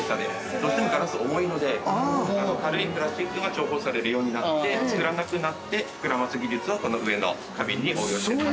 どうしても、ガラス重いので軽いプラスチックが重宝されるようになって作らなくなって、膨らます技術をこの上の花瓶に応用していると。